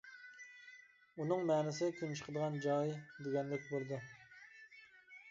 ئۇنىڭ مەنىسى «كۈن چىقىدىغان جاي» دېگەنلىك بولىدۇ.